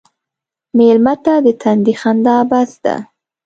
مېلمه ته د تندي خندا بس ده.